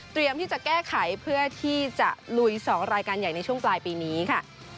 ที่จะแก้ไขเพื่อที่จะลุย๒รายการใหญ่ในช่วงปลายปีนี้ค่ะ